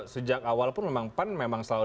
sejak awal pun memang pan memang selalu